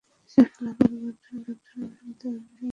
সে খিলাফত গঠনের জন্য তার অনুসারীদের ডেকেছে।